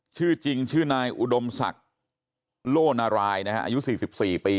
ชื่อจริงชื่อนายอุดมศักดิ์โล่นารายนะฮะอายุ๔๔ปี